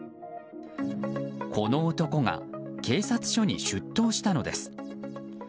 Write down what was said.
この男が警察署に出頭したのです。